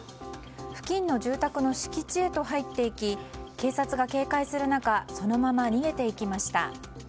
付近の住宅の敷地へと入っていき警察が警戒する中そのまま逃げていきました。